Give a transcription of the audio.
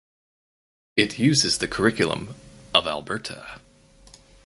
It uses the curriculum of Alberta.